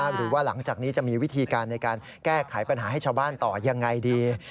หรือว่าหลังจากนี้จะมีวิธีการในการแก้ไขปัญหาให้ชาวบ้านต่อยังไงดี